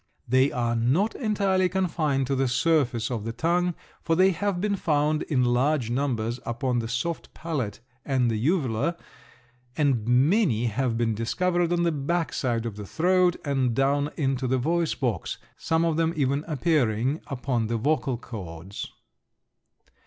They are not entirely confined to the surface of the tongue, for they have been found in large numbers upon the soft palate and the uvula, and many have been discovered on the back side of the throat and down into the voice box, some of them even appearing upon the vocal cords.